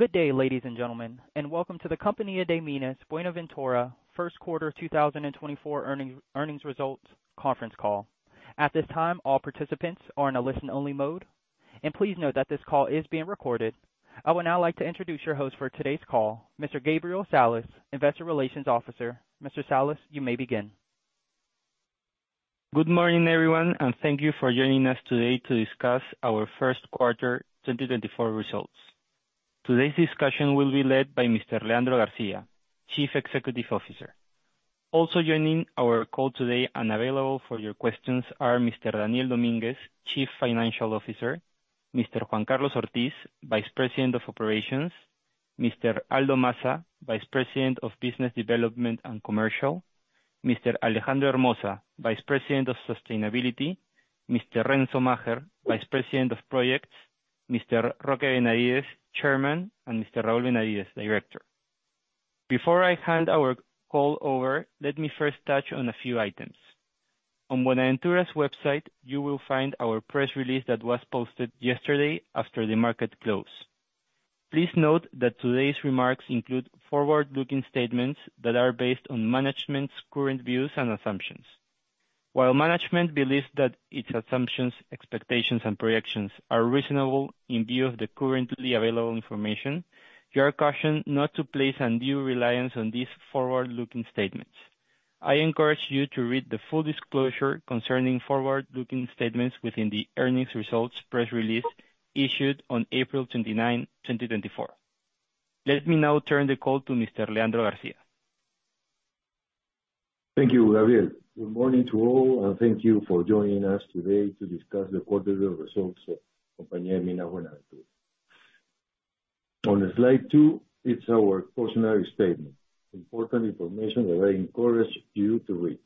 Good day, ladies and gentlemen, and welcome to the Compañía de Minas Buenaventura First Quarter 2024 Earnings Results Conference Call. At this time, all participants are in a listen-only mode, and please note that this call is being recorded. I would now like to introduce your host for today's call, Mr. Gabriel Salas, Investor Relations Officer. Mr. Salas, you may begin. Good morning, everyone, and thank you for joining us today to discuss our first quarter 2024 results. Today's discussion will be led by Mr. Leandro García, Chief Executive Officer. Also joining our call today and available for your questions are Mr. Daniel Domínguez, Chief Financial Officer, Mr. Juan Carlos Ortiz, Vice President of Operations, Mr. Aldo Massa, Vice President of Business Development and Commercial, Mr. Alejandro Hermoza, Vice President of Sustainability, Mr. Renzo Macher, Vice President of Projects, Mr. Roque Benavides, Chairman, and Mr. Raul Benavides, Director. Before I hand our call over, let me first touch on a few items. On Buenaventura's website, you will find our press release that was posted yesterday after the market closed. Please note that today's remarks include forward-looking statements that are based on management's current views and assumptions. While management believes that its assumptions, expectations, and projections are reasonable in view of the currently available information, you are cautioned not to place undue reliance on these forward-looking statements. I encourage you to read the full disclosure concerning forward-looking statements within the earnings results press release issued on April 29, 2024. Let me now turn the call to Mr. Leandro García. Thank you, Gabriel. Good morning to all, and thank you for joining us today to discuss the quarterly results of Compañía de Minas Buenaventura. On Slide two, it's our cautionary statement, important information that I encourage you to read.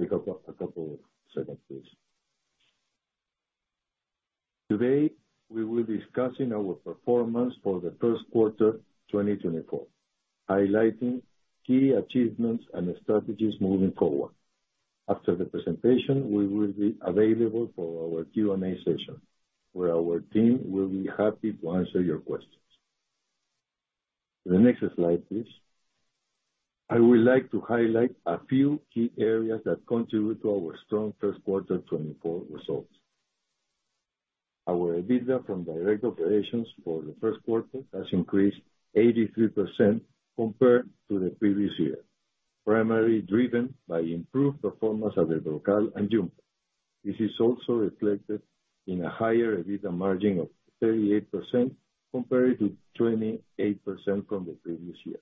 Take a couple, a couple of seconds, please. Today, we will be discussing our performance for the first quarter 2024, highlighting key achievements and strategies moving forward. After the presentation, we will be available for our Q&A session, where our team will be happy to answer your questions. The next slide, please. I would like to highlight a few key areas that contribute to our strong first quarter 2024 results. Our EBITDA from direct operations for the first quarter has increased 83% compared to the previous year, primarily driven by improved performance at El Brocal and Yumpag. This is also reflected in a higher EBITDA margin of 38% compared to 28% from the previous year.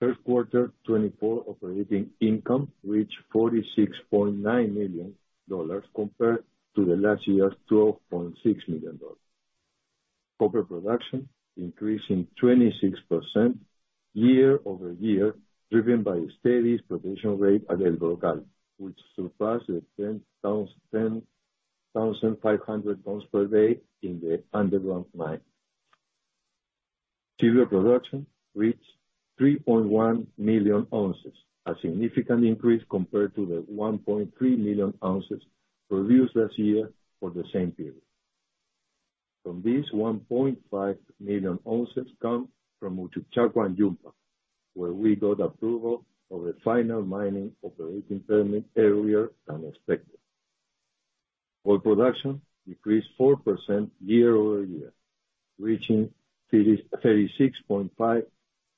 First quarter 2024 operating income reached $46.9 million, compared to the last year's $12.6 million. Copper production increased in 26% year-over-year, driven by a steady progression rate at El Brocal, which surpassed the 10,500 tons per day in the underground mine. Silver production reached 3.1 million ounces, a significant increase compared to the 1.3 million ounces produced last year for the same period. From these, 1.5 million ounces come from Uchucchacua and Yumpag, where we got approval for the final mining operating permit earlier than expected. Gold production decreased 4% year-over-year, reaching 36.5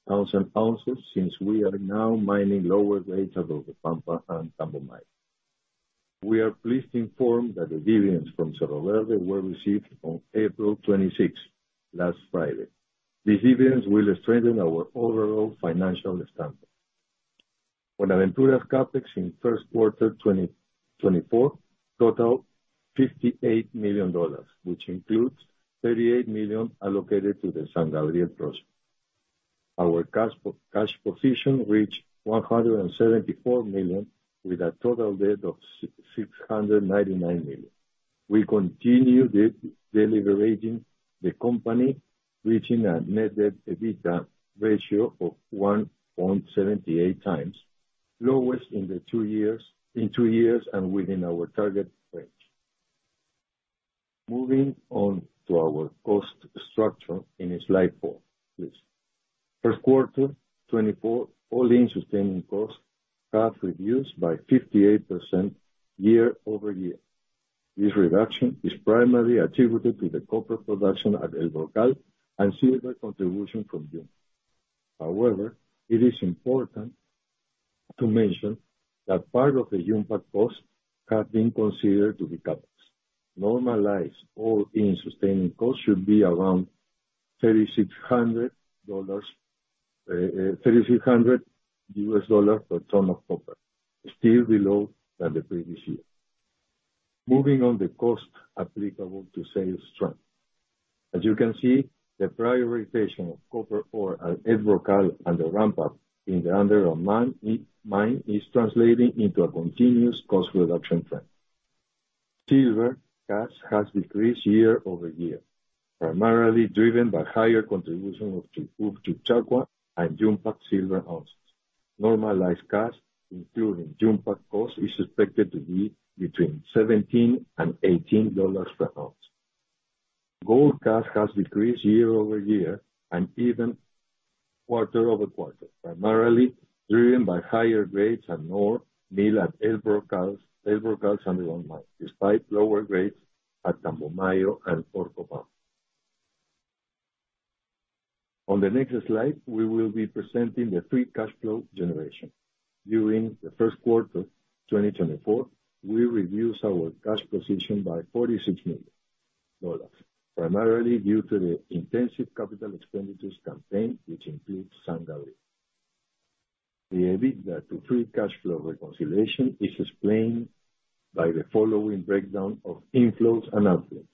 thousand ounces, since we are now mining lower grades at Orcopampa and Tambomayo. We are pleased to inform that the dividends from Cerro Verde were received on April 26th, last Friday. These dividends will strengthen our overall financial standing. Buenaventura's CapEx in first quarter 2024 total $58 million, which includes $38 million allocated to the San Gabriel project. Our cash position reached $174 million, with a total debt of $699 million. We continue deleveraging the company, reaching a net debt EBITDA ratio of 1.78x, lowest in two years, in two years and within our target range. Moving on to our cost structure in Slide four, please. First quarter 2024, all-in sustaining costs have reduced by 58% year-over-year. This reduction is primarily attributed to the copper production at El Brocal and silver contribution from Yumpag. However, it is important to mention that part of the Yumpag cost have been considered to be CapEx. Normalized all-in sustaining costs should be around $3,600, $3,600 per ton of copper, still below than the previous year. Moving on the cost applicable to sales trend. As you can see, the prioritization of copper ore at El Brocal and the ramp-up in the underground mine is translating into a continuous cost reduction trend. Silver cash has decreased year-over-year, primarily driven by higher contribution of Uchucchacua and Yumpag silver ounces. Normalized cash, including Yumpag cost, is expected to be between $17 and $18 per ounce. Gold cash has decreased year-over-year and even quarter-over-quarter, primarily driven by higher grades and more mill at El Brocal, El Brocal and volume, despite lower grades at Tambomayo and Orcopampa. On the next slide, we will be presenting the free cash flow generation. During the first quarter of 2024, we reduced our cash position by $46 million, primarily due to the intensive capital expenditures campaign, which includes San Gabriel. The EBITDA to free cash flow reconciliation is explained by the following breakdown of inflows and outflows.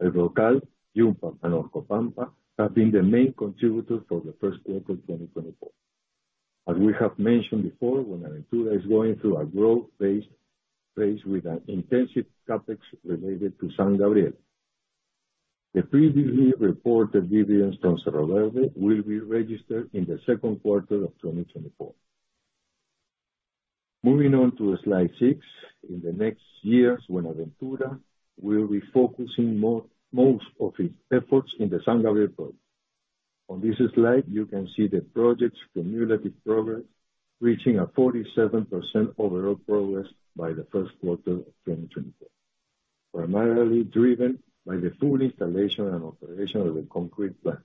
El Brocal, Yumpag, and Orcopampa have been the main contributor for the first quarter of 2024. As we have mentioned before, when Buenaventura is going through a growth phase with an intensive CapEx related to San Gabriel. The previously reported dividends from Cerro Verde will be registered in the second quarter of 2024. Moving on to Slide six. In the next years, when Buenaventura will be focusing most of its efforts in the San Gabriel project. On this slide, you can see the project's cumulative progress, reaching a 47% overall progress by the first quarter of 2024, primarily driven by the full installation and operation of the concrete plant.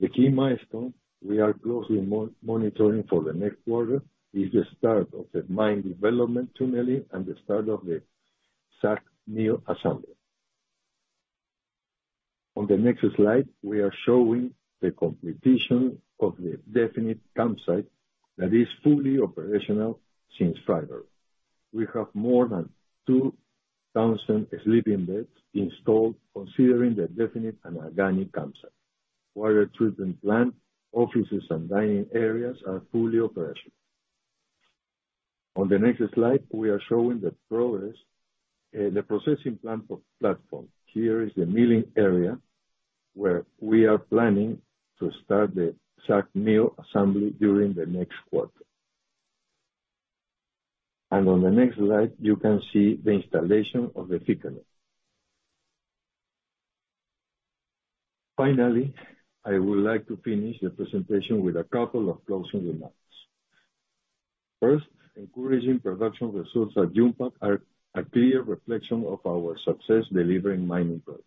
The key milestone we are closely monitoring for the next quarter is the start of the mine development tunneling and the start of the SAG mill assembly. On the next slide, we are showing the completion of the definite campsite that is fully operational since February. We have more than 2,000 sleeping beds installed, considering the definite and organic campsite. Water treatment plant, offices, and dining areas are fully operational. On the next slide, we are showing the progress, the processing plant for pad. Here is the milling area, where we are planning to start the SAG mill assembly during the next quarter. On the next slide, you can see the installation of the thickener. Finally, I would like to finish the presentation with a couple of closing remarks. First, encouraging production results at Yumpag are a clear reflection of our success delivering mining products.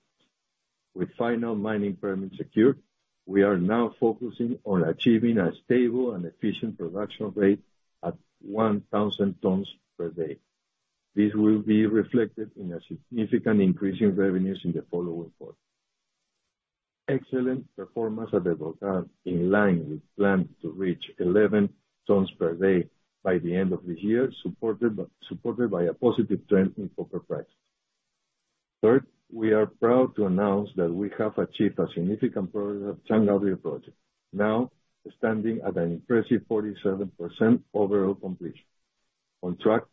With final mining permit secured, we are now focusing on achieving a stable and efficient production rate at 1,000 tons per day. This will be reflected in a significant increase in revenues in the following quarters. Excellent performance at El Brocal, in line with plan to reach 11,000 tons per day by the end of the year, supported by a positive trend in copper price. Third, we are proud to announce that we have achieved a significant progress of San Gabriel project, now standing at an impressive 47% overall completion, on track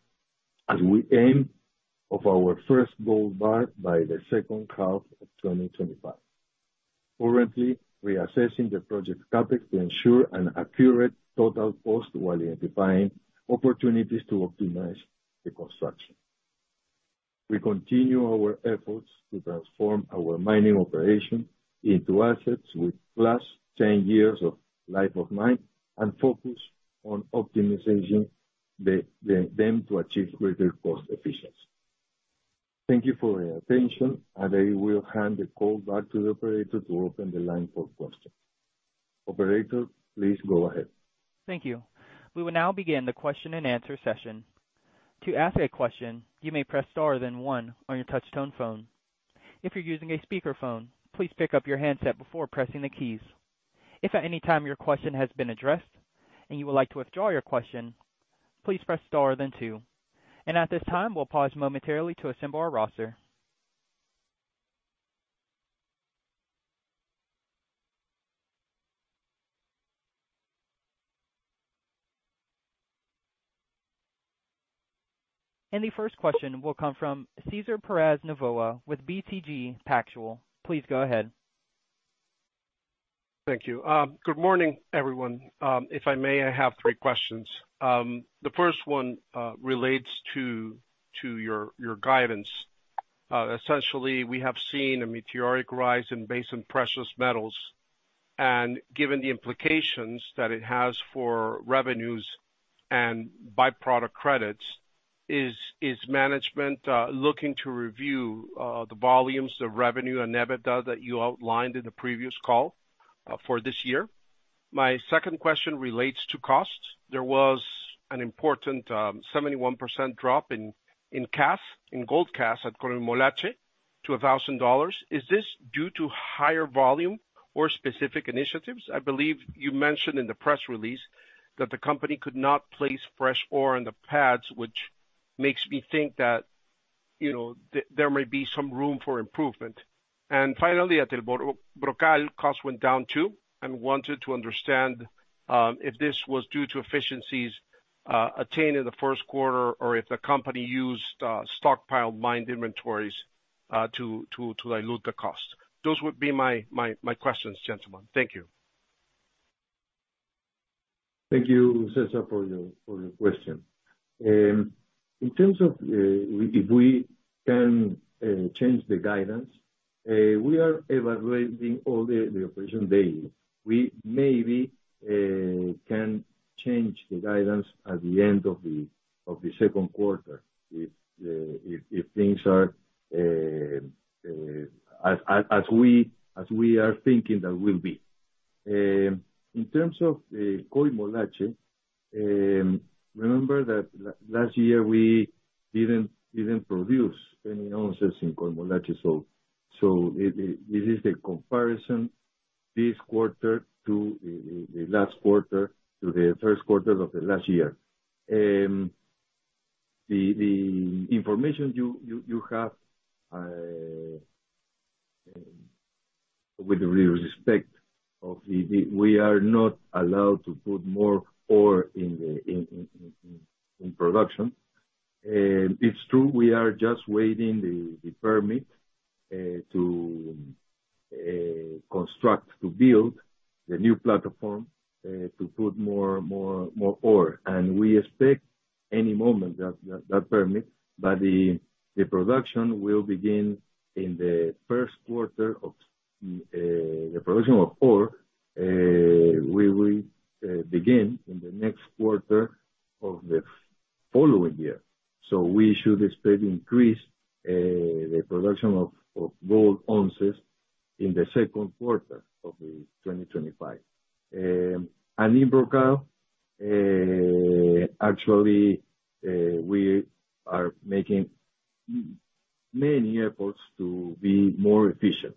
as we aim of our first gold bar by the second half of 2025. Currently, we are assessing the project CapEx to ensure an accurate total cost while identifying opportunities to optimize the construction. We continue our efforts to transform our mining operation into assets with +10 years of life of mine, and focus on optimizing them to achieve greater cost efficiency. Thank you for your attention, and I will hand the call back to the operator to open the line for questions. Operator, please go ahead. Thank you. We will now begin the question-and-answer session. To ask a question, you may press star then one on your touchtone phone. If you're using a speakerphone, please pick up your handset before pressing the keys. If at any time your question has been addressed and you would like to withdraw your question, please press star then two. At this time, we'll pause momentarily to assemble our roster. The first question will come from Cesar Pérez Novoa with BTG Pactual. Please go ahead. Thank you. Good morning, everyone. If I may, I have three questions. The first one relates to your guidance. Essentially, we have seen a meteoric rise in base and precious metals, and given the implications that it has for revenues and by-product credits, is management looking to review the volumes, the revenue, and EBITDA that you outlined in the previous call for this year? My second question relates to costs. There was an important 71% drop in cash cost for gold at Coimolache to $1,000. Is this due to higher volume or specific initiatives? I believe you mentioned in the press release that the company could not place fresh ore on the pads, which makes me think that, you know, there may be some room for improvement. And finally, at El Brocal, costs went down, too. I wanted to understand if this was due to efficiencies attained in the first quarter, or if the company used stockpiled mined inventories to dilute the cost. Those would be my questions, gentlemen. Thank you. Thank you, César, for your question. In terms of if we can change the guidance, we are evaluating all the operation daily. We maybe can change the guidance at the end of the second quarter, if things are as we are thinking that will be. In terms of the Coimolache, remember that last year we didn't produce any ounces in Coimolache, so it is the comparison this quarter to the last quarter, to the first quarter of the last year. The information you have with respect to the—we are not allowed to put more ore in production. It's true, we are just waiting the permit to construct, to build the new pad to put more ore, and we expect any moment that permit. But the production will begin in the first quarter of the production of ore, we will begin in the next quarter of the following year. So we should expect increase the production of gold ounces in the second quarter of 2025. And in El Brocal, actually, we are making many efforts to be more efficient.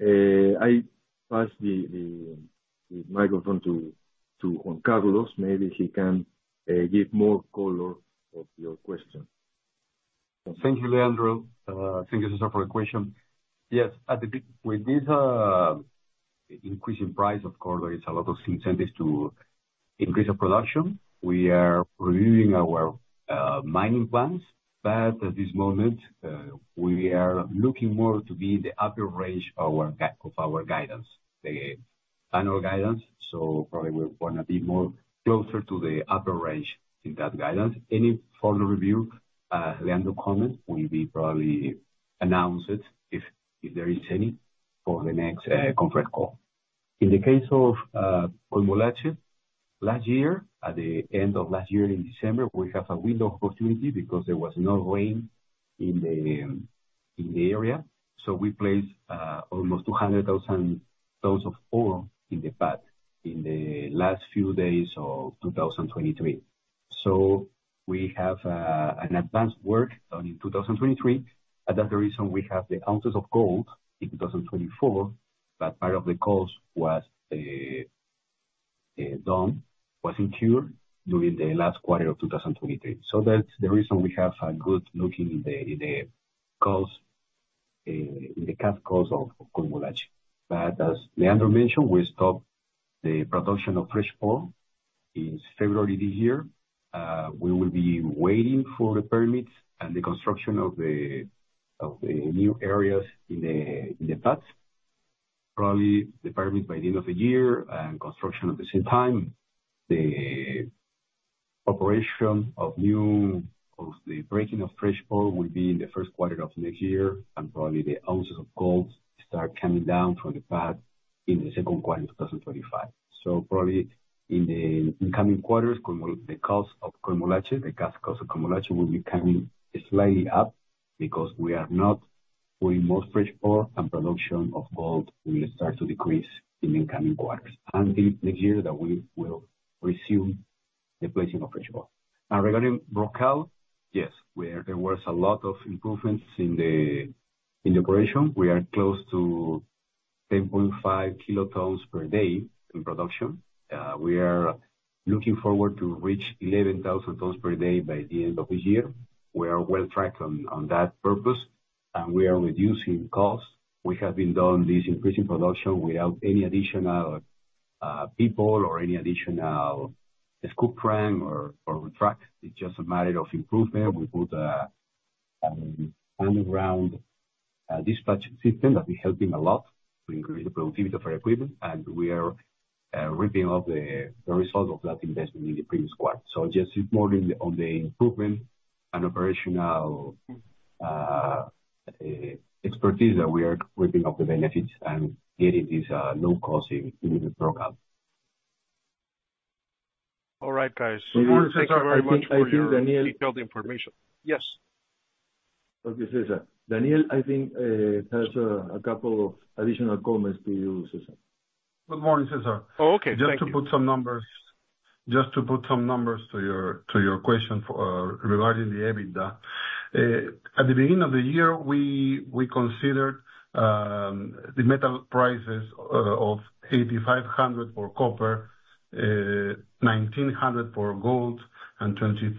I pass the microphone to Juan Carlos. Maybe he can give more color on your question. Thank you, Leandro. Thank you, Cesar, for your question. Yes, at the beginning with this increase in price of copper, it's a lot of incentives to increase the production. We are reviewing our mining plans, but at this moment, we are looking more to be in the upper range of our of our guidance, the annual guidance. So probably we're gonna be more closer to the upper range in that guidance. Any further review, Leandro comment, will be probably announced if, if there is any, for the next conference call. In the case of Coimolache, last year, at the end of last year in December, we have a window of opportunity because there was no rain in the area, so we placed almost 200,000 tons of ore in the pad in the last few days of 2023. So we have an advanced work done in 2023, and that's the reason we have the ounces of gold in 2024. That part of the cost was done, was incurred during the last quarter of 2023. So that's the reason we have a good look in the cost, in the CapEx of Coimolache. But as Leandro mentioned, we stopped the production of fresh ore in February this year. We will be waiting for the permit and the construction of the new areas in the pads. Probably the permit by the end of the year and construction at the same time. The operation of the breaking of fresh ore will be in the first quarter of next year, and probably the ounces of gold start coming down from the pad in the second quarter of 2025. So probably in the incoming quarters, Coimolache, the cost of Coimolache, the cash cost of Coimolache, will be coming slightly up because we are not putting more fresh ore, and production of gold will start to decrease in the incoming quarters. And in next year, that we will resume the placing of fresh ore. And regarding Brocal, yes, where there was a lot of improvements in the operation. We are close to 10.5 kilotons per day in production. We are looking forward to reach 11,000 tons per day by the end of the year. We are well tracked on that purpose, and we are reducing costs. We have been doing this increase in production without any additional people or any additional Scooptram or truck. It's just a matter of improvement. We put a underground dispatch system that be helping a lot to increase the productivity of our equipment. And we are ripping off the result of that investment in the previous quarter. So just more on the improvement and operational expertise, that we are ripping off the benefits and getting this low cost in El Brocal. All right, guys. So I think, Daniel- Thank you very much for your detailed information. Yes? Okay, César. Daniel, I think, has a couple of additional comments to you, César. Good morning, Cesar. Oh, okay. Thank you. Just to put some numbers to your question regarding the EBITDA. At the beginning of the year, we considered the metal prices of $8,500 for copper, $1,900 for gold, and $23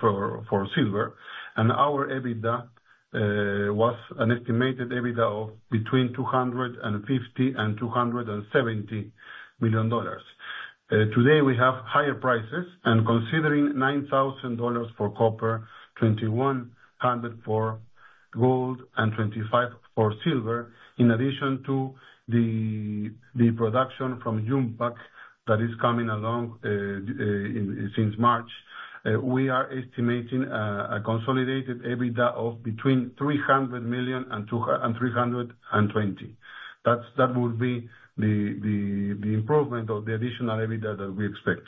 for silver. Our EBITDA was an estimated EBITDA of between $250 million and $270 million. Today we have higher prices, and considering $9,000 for copper, $2,100 for gold, and $25 for silver, in addition to the production from Yumpag that is coming along since March, we are estimating a consolidated EBITDA of between $300 million and $320 million. That will be the improvement of the additional EBITDA that we expect.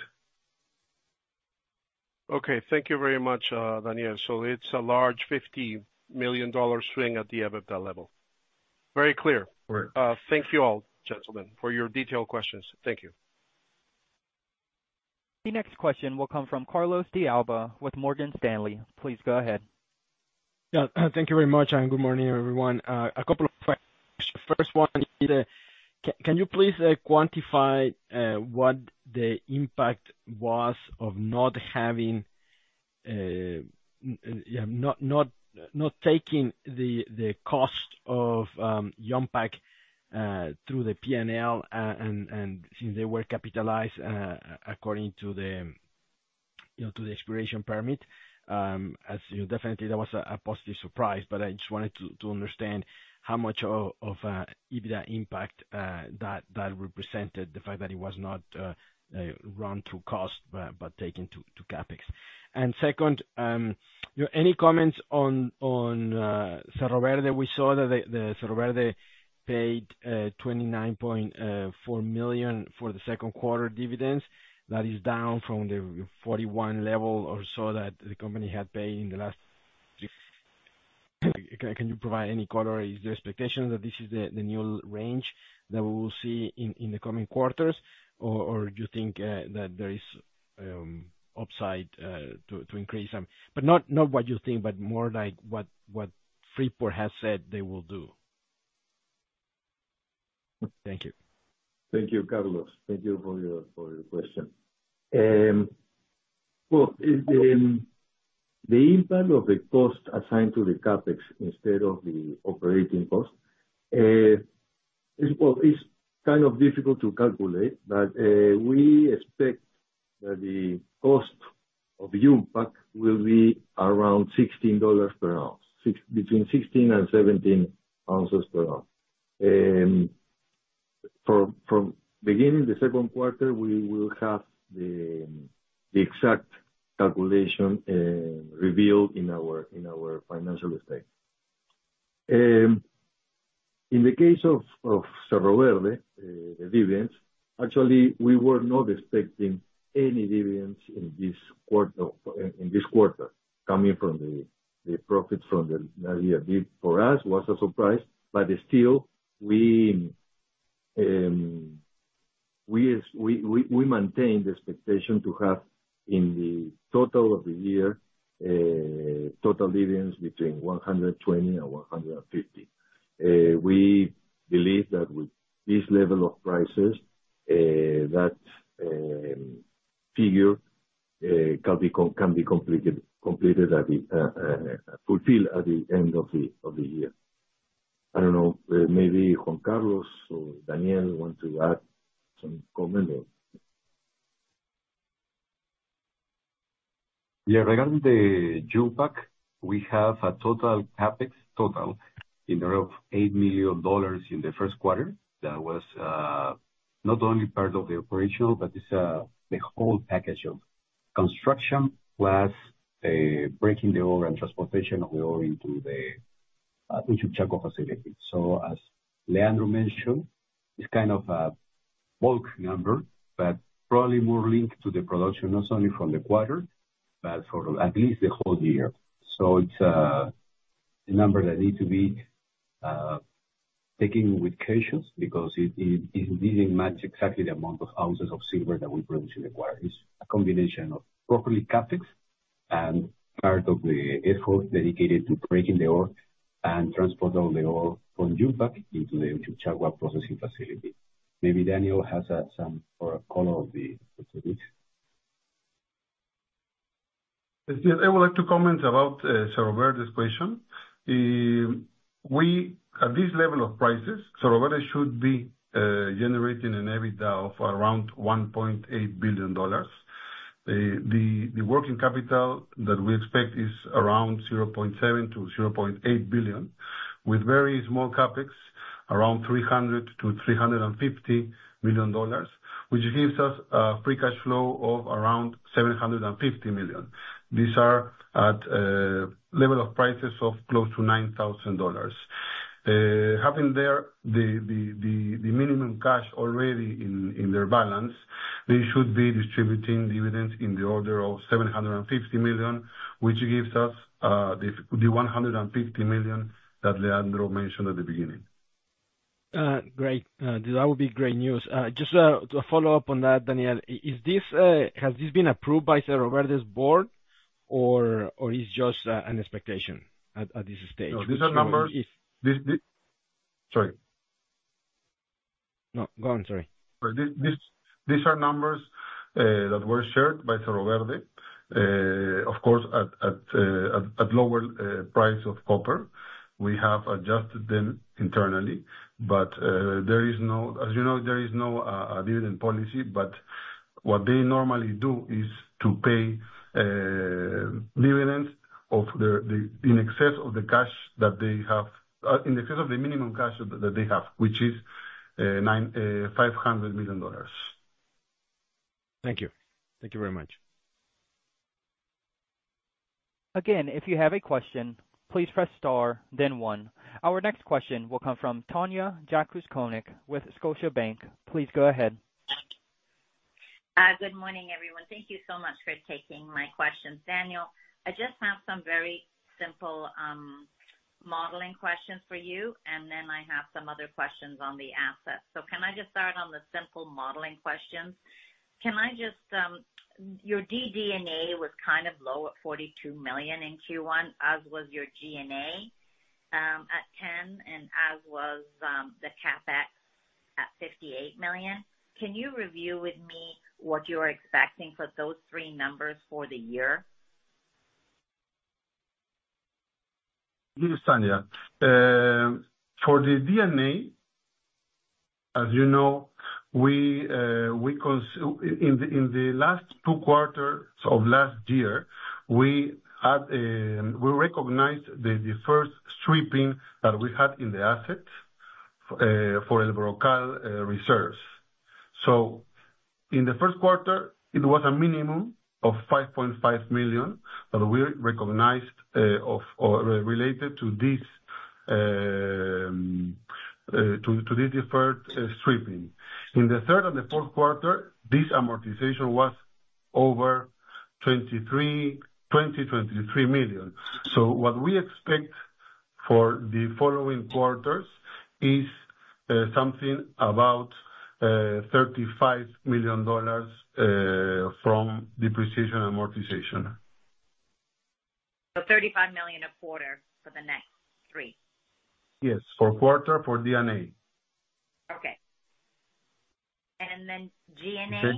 Okay, thank you very much, Daniel. It's a large $50 million swing at the EBITDA level. Very clear. Right. Thank you all, gentlemen, for your detailed questions. Thank you. The next question will come from Carlos de Alba with Morgan Stanley. Please go ahead. Yeah. Thank you very much, and good morning, everyone. A couple of questions. First one, can you please quantify what the impact was of not having, yeah, not taking the cost of Yumpag through the P&L, and since they were capitalized according to the, you know, to the exploration permit? As you know, that was definitely a positive surprise, but I just wanted to understand how much of EBITDA impact that represented, the fact that it was not run through cost, but taken to CapEx. And second, any comments on Cerro Verde? We saw that Cerro Verde paid $29.4 million for the second quarter dividends. That is down from the 41 level or so that the company had paid in the last six. Can you provide any color? Is the expectation that this is the new range that we will see in the coming quarters, or do you think that there is upside to increase them? But not what you think, but more like what Freeport has said they will do. Thank you. Thank you, Carlos. Thank you for your question. Well, the impact of the cost assigned to the CapEx instead of the operating cost is kind of difficult to calculate, but we expect that the cost of Yumpag will be around $16 per ounce, between $16 and $17 per ounce. From beginning the second quarter, we will have the exact calculation revealed in our financial statement. In the case of Cerro Verde, the dividends, actually, we were not expecting any dividends in this quarter, in this quarter, coming from the profits from the last year. For us, was a surprise, but still, we maintain the expectation to have, in the total of the year, total dividends between $120 and $150. We believe that with this level of prices, that figure can be completed, fulfilled at the end of the year. I don't know, maybe Juan Carlos or Daniel want to add some comment there. Yeah, regarding the Yumpag, we have a total CapEx, total, in the area of $8 million in the first quarter. That was, not only part of the operational, but it's, the whole package of construction, plus the breaking the ore and transportation of the ore into the, into Uchucchacua facility. So as Leandro mentioned, it's kind of a bulk number, but probably more linked to the production, not only from the quarter, but for at least the whole year. So it's, a number that need to be, taken with cautions, because it, it, it didn't match exactly the amount of ounces of silver that we produced in the quarter. It's a combination of properly CapEx and part of the effort dedicated to breaking the ore and transporting the ore from Yumpag into the Uchucchacua processing facility. Maybe Daniel has some more color of the facilities. Yes, I would like to comment about Cerro Verde's question. At this level of prices, Cerro Verde should be generating an EBITDA of around $1.8 billion. The working capital that we expect is around $0.7 billion-$0.8 billion, with very small CapEx, around $300 million-$350 million, which gives us a free cash flow of around $750 million. These are at level of prices of close to $9,000. Having there the minimum cash already in their balance, they should be distributing dividends in the order of $750 million, which gives us the $150 million that Leandro mentioned at the beginning. Great. That would be great news. Just to follow up on that, Daniel, has this been approved by Cerro Verde's board, or it's just an expectation at this stage? No, these are numbers- So it's- Sorry. No, go on. Sorry. Sorry. These are numbers-... that were shared by Cerro Verde. Of course, at lower price of copper, we have adjusted them internally, but, as you know, there is no dividend policy. But what they normally do is to pay dividends of the cash in excess of the minimum cash that they have, which is $950 million. Thank you. Thank you very much. Again, if you have a question, please press star then one. Our next question will come from Tanya Jakusconek with Scotiabank. Please go ahead. Good morning, everyone. Thank you so much for taking my questions. Daniel, I just have some very simple modeling questions for you, and then I have some other questions on the assets. Can I just start on the simple modeling questions? Can I just... Your DD&A was kind of low at $42 million in Q1, as was your G&A at $10 million, and as was the CapEx at $58 million. Can you review with me what you are expecting for those three numbers for the year? Yes, Tanya. For the DD&A, as you know, we, in the last two quarters of last year, we recognized the first stripping that we had in the assets for El Brocal reserves. So in the first quarter, it was a minimum of $5.5 million, but we recognized of or related to this, to this deferred stripping. In the third and the fourth quarter, this amortization was over 23 million, 20 million, 23 million. So what we expect for the following quarters is something about $35 million from depreciation amortization. $35 million a quarter for the next three? Yes, for quarter, for DD&A. Okay. And then G&A?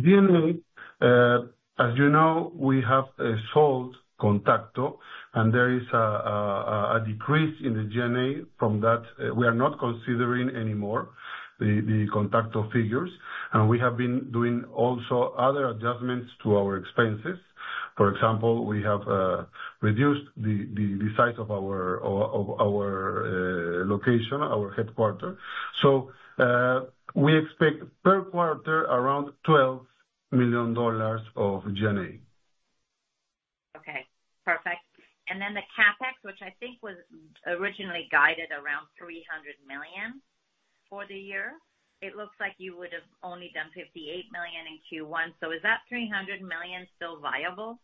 G&A, as you know, we have sold Contacto, and there is a decrease in the G&A from that. We are not considering anymore the Contacto figures, and we have been doing also other adjustments to our expenses. For example, we have reduced the size of our location, our headquarters. So, we expect per quarter around $12 million of G&A. Okay, perfect. And then the CapEx, which I think was originally guided around $300 million for the year. It looks like you would have only done $58 million in Q1, so is that $300 million still viable?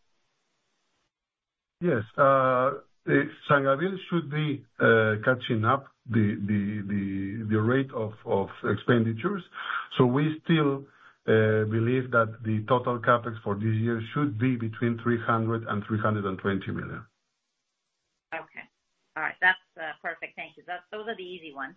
Yes. San Gabriel should be catching up the rate of expenditures. So we still believe that the total CapEx for this year should be between $300 million and $320 million. Okay. All right. That's, perfect. Thank you. That's... Those are the easy ones.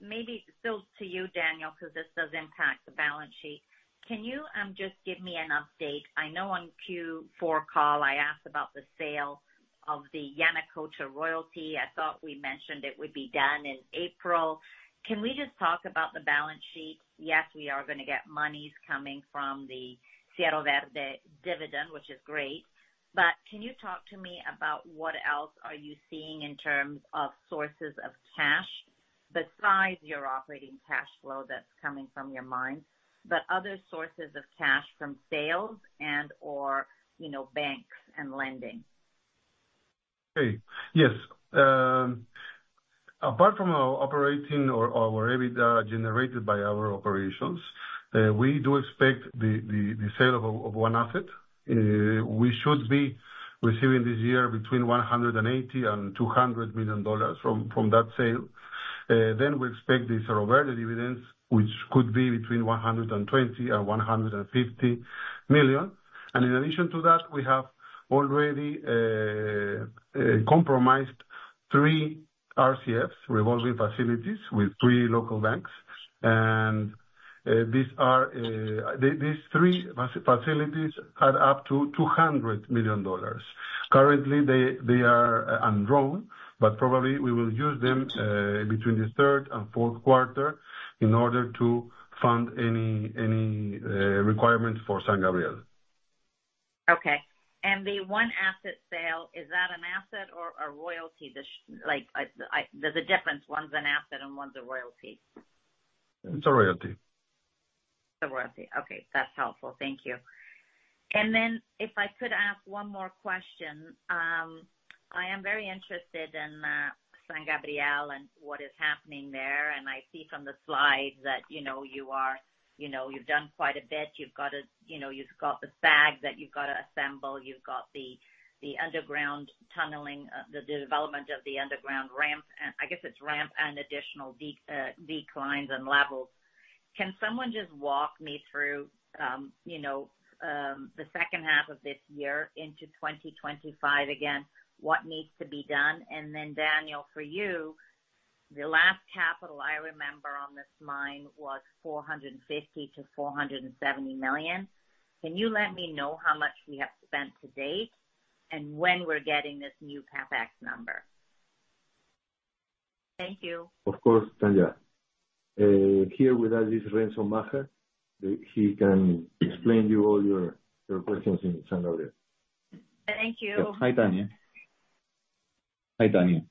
Maybe still to you, Daniel, because this does impact the balance sheet. Can you, just give me an update? I know on Q4 call, I asked about the sale of the Yanacocha royalty. I thought we mentioned it would be done in April. Can we just talk about the balance sheet? Yes, we are gonna get monies coming from the Cerro Verde dividend, which is great. But can you talk to me about what else are you seeing in terms of sources of cash, besides your operating cash flow that's coming from your mine, but other sources of cash from sales and/or, you know, banks and lending? Okay. Yes. Apart from our operating or our EBITDA generated by our operations, we do expect the sale of one asset. We should be receiving this year between $180 million and $200 million from that sale. Then we expect the Cerro Verde dividends, which could be between $120 million and $150 million. In addition to that, we have already committed three RCFs, revolving facilities, with three local banks. These three facilities had up to $200 million. Currently, they are undrawn, but probably we will use them between the third and fourth quarter in order to fund any requirements for San Gabriel. Okay. And the one asset sale, is that an asset or a royalty, like, I, there's a difference. One's an asset and one's a royalty. It's a royalty. It's a royalty. Okay, that's helpful. Thank you. And then if I could ask one more question, I am very interested in San Gabriel and what is happening there. And I see from the slides that, you know, you are, you know, you've done quite a bit. You've got a, you know, you've got the bag that you've got to assemble. You've got the, the underground tunneling, the development of the underground ramp, and I guess it's ramp and additional declines and levels. Can someone just walk me through, you know, the second half of this year into 2025 again? What needs to be done? And then, Daniel, for you... The last capital I remember on this mine was $450 million-$470 million. Can you let me know how much we have spent to date and when we're getting this new CapEx number? Thank you. Of course, Tanya. Here with us is Renzo Macher. He can explain you all your questions in San Gabriel. Thank you. Hi, Tanya. Hi, Tanya.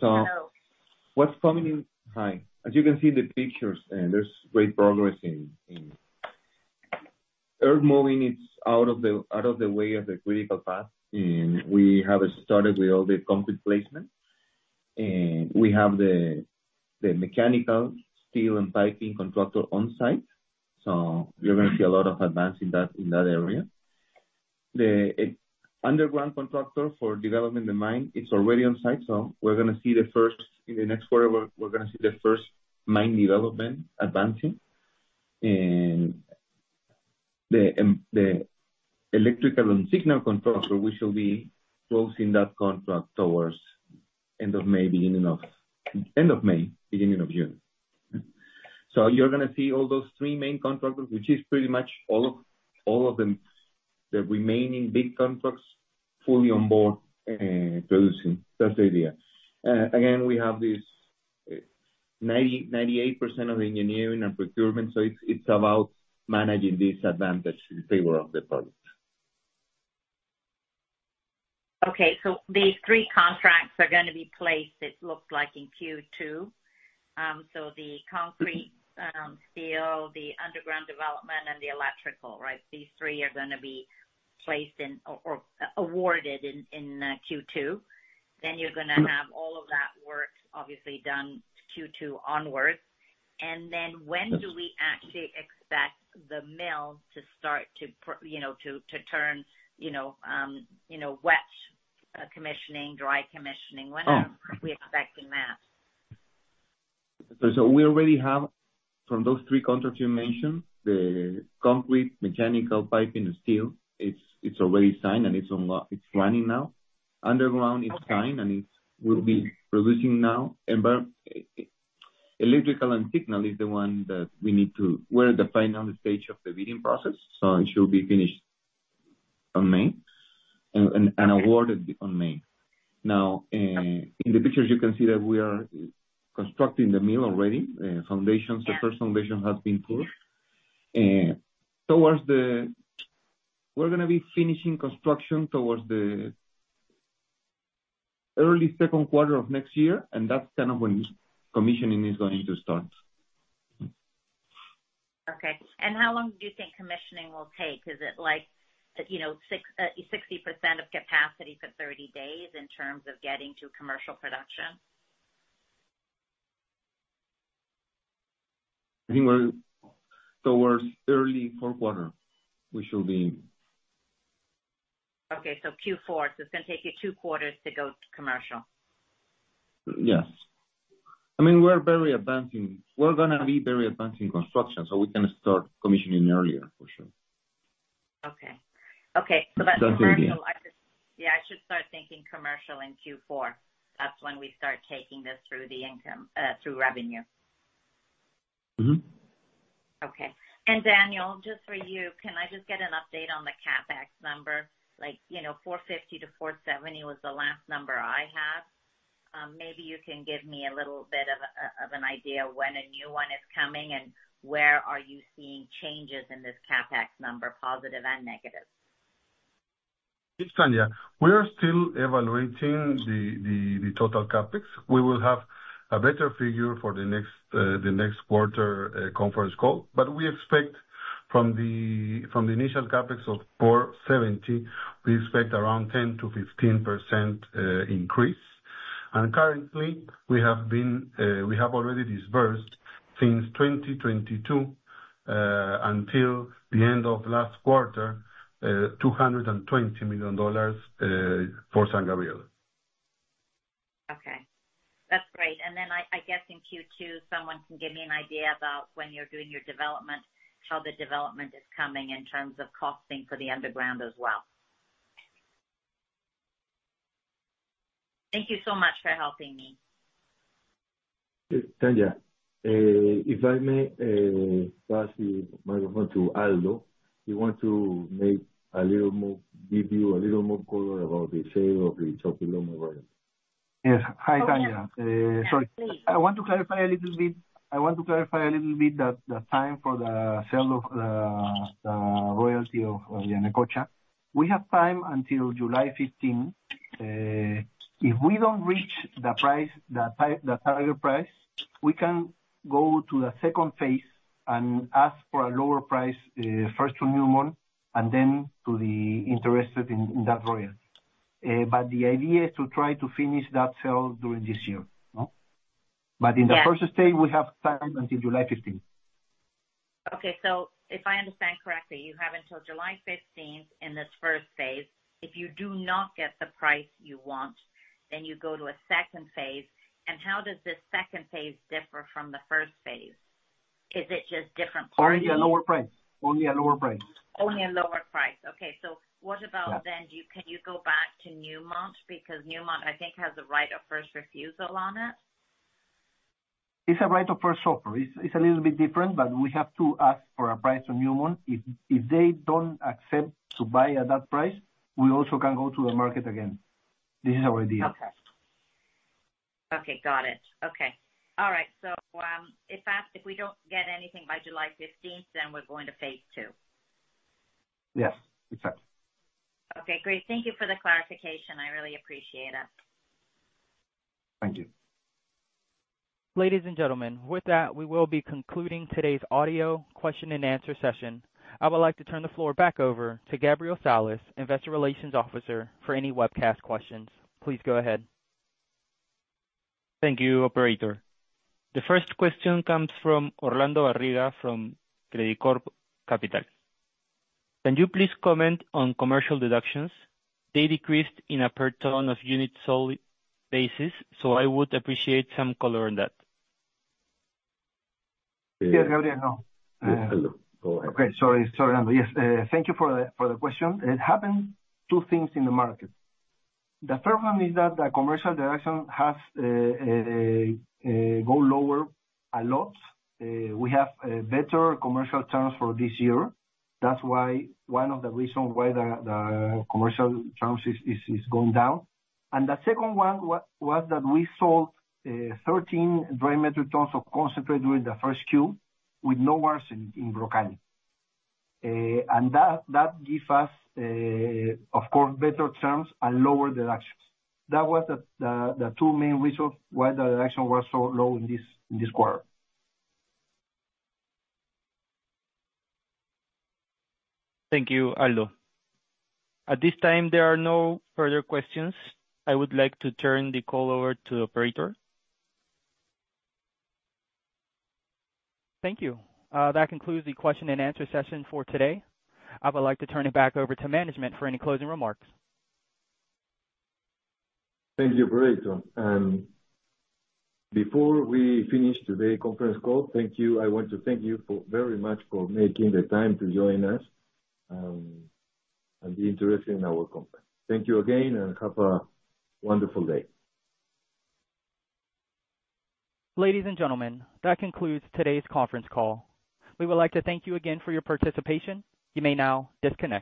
Hello. What's coming in. Hi. As you can see the pictures, there's great progress in earth moving. It's out of the way of the critical path, and we have started with all the complete placement. We have the mechanical, steel and piping contractor on site, so you're gonna see a lot of advance in that area. The underground contractor for developing the mine is already on site, so we're gonna see the first. In the next quarter, we're gonna see the first mine development advancing. The electrical and signal contractor, we shall be closing that contract towards end of May, beginning of June. So you're gonna see all those three main contractors, which is pretty much all of them, the remaining big contracts, fully on board and producing. That's the idea. Again, we have this 98% of engineering and procurement, so it's, it's about managing this advantage in favor of the project. Okay, so these three contracts are gonna be placed, it looks like, in Q2. So the concrete, steel, the underground development, and the electrical, right? These three are gonna be placed in or awarded in Q2. Then you're gonna have all of that work obviously done Q2 onwards. And then when do we actually expect the mill to start to you know, to turn, you know, wet commissioning, dry commissioning? Oh. When are we expecting that? So we already have, from those three contracts you mentioned, the concrete, mechanical piping, and steel. It's already signed, and it's running now. Underground- Okay. It is signed, and it will be producing now. Electrical and signal is the one that we need to; we're at the final stage of the bidding process, so it should be finished on May and awarded on May. Now, in the pictures, you can see that we are constructing the mill already. Foundations, the first foundation has been put. Towards the... We're gonna be finishing construction towards the early second quarter of next year, and that's kind of when commissioning is going to start. Okay. And how long do you think commissioning will take? Is it like, you know, 60% of capacity for 30 days in terms of getting to commercial production? I think we're toward early fourth quarter. We should be. Okay, so Q4. It's gonna take you two quarters to go commercial. Yes. I mean, we're very advancing. We're gonna be very advancing construction, so we can start commissioning earlier, for sure. Okay. Okay, so that's- That's the idea. Yeah, I should start thinking commercial in Q4. That's when we start taking this through the income, through revenue. Mm-hmm. Okay. And Daniel, just for you, can I just get an update on the CapEx number? Like, you know, $450-$470 was the last number I have. Maybe you can give me a little bit of an idea when a new one is coming, and where are you seeing changes in this CapEx number, positive and negative? Yes, Tanya. We are still evaluating the total CapEx. We will have a better figure for the next quarter conference call. But we expect from the initial CapEx of $470 million, we expect around 10%-15% increase. And currently, we have already disbursed since 2022 until the end of last quarter $220 million for San Gabriel. Okay. That's great. And then I, I guess in Q2, someone can give me an idea about when you're doing your development, how the development is coming in terms of costing for the underground as well. Thank you so much for helping me. Tanya, if I may, pass the microphone to Aldo, he want to make a little more, give you a little more color about the sale of the Chaupiloma royalty. Yes. Hi, Tanya. Hi. So I want to clarify a little bit, I want to clarify a little bit that the time for the sale of the royalty of Yanacocha. We have time until July 15th. If we don't reach the price, the target price, we can go to the second phase and ask for a lower price, first to Newmont, and then to the interested in, in that royalty. But the idea is to try to finish that sale during this year, no? Yeah. In the first stage, we have time until July 15th. Okay. So if I understand correctly, you have until July 15th in this first phase. If you do not get the price you want, then you go to a second phase. And how does this second phase differ from the first phase? Is it just different- Only at lower price. Only at lower price. Only at lower price. Okay, so what about then, do you, can you go back to Newmont? Because Newmont, I think, has a right of first refusal on it. It's a right of first offer. It's, it's a little bit different, but we have to ask for a price from Newmont. If, if they don't accept to buy at that price, we also can go to the market again. This is our idea. Okay. Okay, got it. Okay. All right, so if asked, if we don't get anything by July 15th, then we're going to phase two. Yes, exactly. Okay, great. Thank you for the clarification. I really appreciate it. Thank you. Ladies and gentlemen, with that, we will be concluding today's audio question and answer session. I would like to turn the floor back over to Gabriel Salas, Investor Relations Officer, for any webcast questions. Please go ahead. Thank you, operator. The first question comes from Orlando Barriga, from Credicorp Capital. Can you please comment on commercial deductions? They decreased in a per ton of units sold basis, so I would appreciate some color on that. Yes, Gabriel. Hello. Okay, sorry, sorry. Yes, thank you for the question. It happened two things in the market. The first one is that the commercial deductions has gone lower a lot. We have a better commercial terms for this year. That's why one of the reasons why the commercial terms is going down. And the second one was that we sold 13,000 dry metric tons of concentrate during the first Q, with no ores in El Brocal. And that give us, of course, better terms and lower deductions. That was the two main reasons why the deduction was so low in this quarter. Thank you, Aldo. At this time, there are no further questions. I would like to turn the call over to the operator. Thank you. That concludes the question-and-answer session for today. I would like to turn it back over to management for any closing remarks. Thank you, operator. Before we finish today's conference call, thank you. I want to thank you very much for making the time to join us, and be interested in our company. Thank you again, and have a wonderful day. Ladies and gentlemen, that concludes today's conference call. We would like to thank you again for your participation. You may now disconnect.